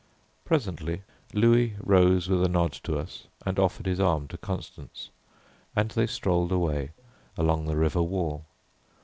Presently Louis rose with a nod to us and offered his arm to Constance, and they strolled away along the river wall.